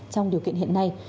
trong điều kiện hiện nay